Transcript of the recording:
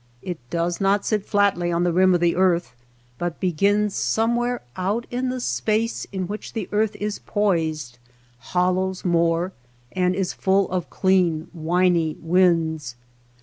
It does not sit flatly on the rim of earth, but begins somewhere out in the space in which the earth is poised, hollows more, and is full of clean winey winds.